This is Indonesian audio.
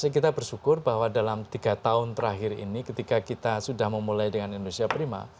kita bersyukur bahwa dalam tiga tahun terakhir ini ketika kita sudah memulai dengan indonesia prima